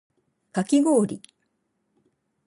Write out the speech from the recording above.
かきごおり